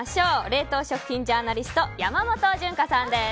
冷凍食品ジャーナリスト山本純子さんです。